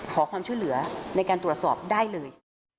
ขอความช่วยเหลือในการตรวจสอบได้เลย